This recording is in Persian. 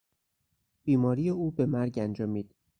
بیماری او به مرگ انجامید.